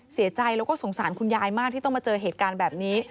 เสียใจแล้วก็สงสารคุณยายมากที่ต้องมาเจอเหตุการณ์แบบนี้